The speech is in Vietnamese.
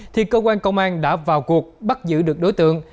thì cơ quan công an đã vào cuộc bắt giữ được đối tượng